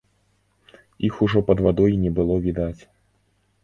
Іх ужо пад вадой не было відаць.